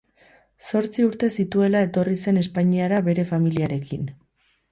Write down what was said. Zortzi urte zituela etorri zen Espainiara bere familiarekin.